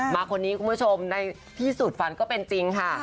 มาคนนี้คุณผู้ชมในที่สุดฝันก็เป็นจริงค่ะ